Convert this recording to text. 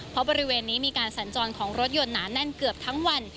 เพราะบริเวณนี้มีการสัญจรของรถยนต์หนาแน่นเกือบทั้งวัน